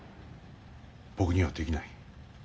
僕にはできない。